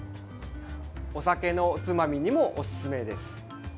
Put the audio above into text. お酒のおつまみにもおすすめです。